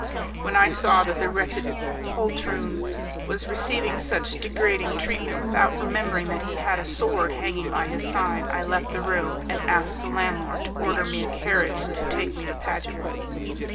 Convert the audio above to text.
When I saw that the wretched poltroon was receiving such degrading treatment without remembering that he had a sword hanging by his side, I left the room, and asked the landlord to order me a carriage to take me to Padua.